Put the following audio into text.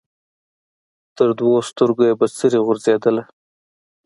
تر دوو سترګو یې بڅري غورځېدله